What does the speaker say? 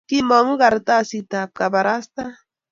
kimong'u karatasitab kabaraiste.